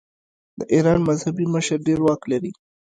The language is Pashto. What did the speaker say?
د ایران مذهبي مشر ډیر واک لري.